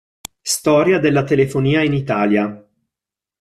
Storia della telefonia in Italia